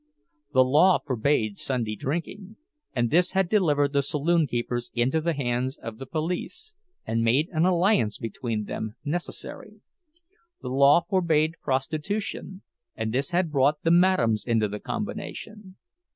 The law forbade Sunday drinking; and this had delivered the saloon keepers into the hands of the police, and made an alliance between them necessary. The law forbade prostitution; and this had brought the "madames" into the combination.